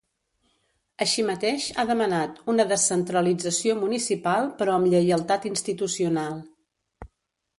Així mateix, ha demanat una ‘descentralització municipal, però amb lleialtat institucional’.